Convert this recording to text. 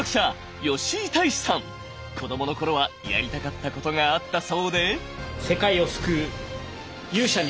子供の頃はやりたかったことがあったそうで。